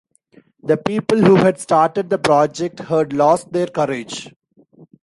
The people who had started the project had lost their courage.